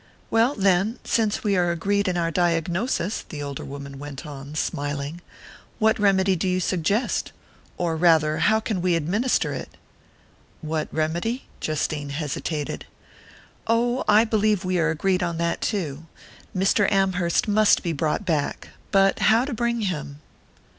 "Well, then since we are agreed in our diagnosis," the older woman went on, smiling, "what remedy do you suggest? Or rather, how can we administer it?" "What remedy?" Justine hesitated. "Oh, I believe we are agreed on that too. Mr. Amherst must be brought back but how to bring him?"